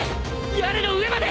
屋根の上まで！